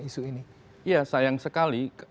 isu ini ya sayang sekali